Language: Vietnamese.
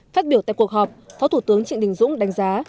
phát biểu tại cuộc họp phó thủ tướng trịnh đình dũng đánh giá